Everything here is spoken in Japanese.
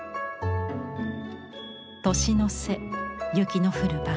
年の瀬雪の降る晩。